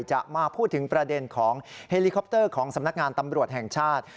จะมาพูดถึงประเด็นของเฮลิคอปเตอร์ของสำนักงานตำรวจแห่งชาติ